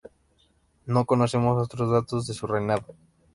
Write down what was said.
No conocemos otros datos de su reinado.